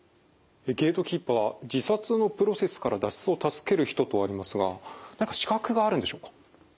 ゲートキーパーは「自殺のプロセスから脱出を助ける人」とありますが何か資格があるんでしょうか？